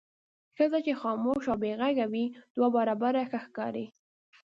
ښځه چې خاموشه او بې غږه وي دوه برابره ښه ښکاري.